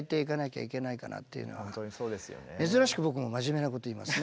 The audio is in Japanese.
珍しく僕も真面目なこと言いますね。